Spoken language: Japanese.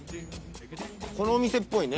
このお店っぽいね。